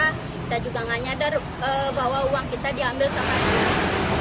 kita juga gak nyadar bahwa uang kita diambil sama kita